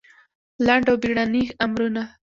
لنډ او بېړني امرونه